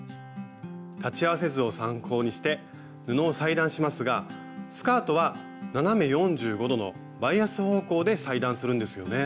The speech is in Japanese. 裁ち合わせ図を参考にして布を裁断しますがスカートは斜め４５度のバイアス方向で裁断するんですよね？